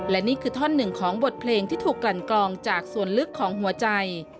และนี่คือท่อนหนึ่งของบทเพลงที่ถูกกลั่นกลองจากส่วนลึกของหัวใจ